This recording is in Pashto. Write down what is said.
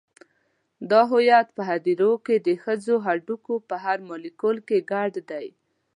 دا هویت په هدیرو کې د ښخو هډوکو په هر مالیکول کې ګډ دی.